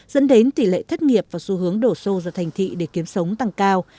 dẫn đến tỷ lệ thất nghiệp và xu hướng đổ xô ra thành thị để kiếm sống tăng cao